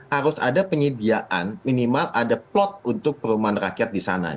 harus ada penyediaan minimal ada plot untuk perumahan rakyat di sana